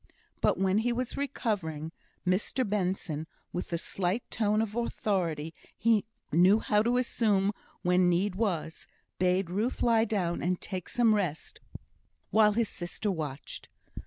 But when he was recovering, Mr Benson, with the slight tone of authority he knew how to assume when need was, bade Ruth lie down and take some rest, while his sister watched.